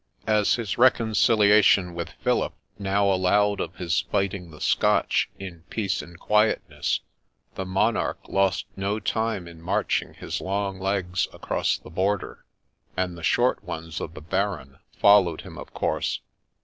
As his reconciliation with Philip now allowed of his fighting the Scotch in peace and quietness, the monarch lost no time in marching his long legs across the border, and the short ones of the Baron followed him of course.